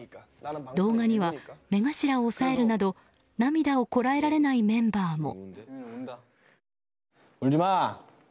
動画には目頭を押さえるなど涙をこらえられないメンバーも。